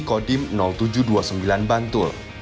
kodim tujuh puluh dua sembilan bantul